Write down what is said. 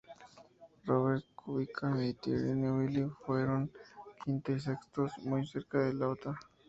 Robert Kubica y Thierry Neuville fueron quinto y sexto muy cerca de Latvala.